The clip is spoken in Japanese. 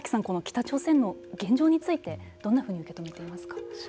この北朝鮮の現状についてどんなふうに受け止めていますか。